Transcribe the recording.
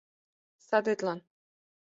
Садетлан.